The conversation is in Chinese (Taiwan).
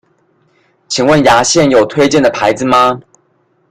請問牙線有推薦的牌子嗎？